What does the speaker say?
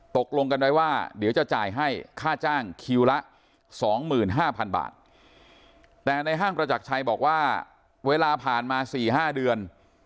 ตกลงกันเลยว่าเดี๋ยวจะจ่ายให้ค่าจ้างคิวละสองหมื่นห้าพันบาทแต่ในห้ามประจักรชัยบอกว่าเวลาผ่านมาสี่ห้าเดือน